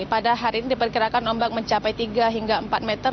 pada hari ini diperkirakan ombak mencapai tiga hingga empat meter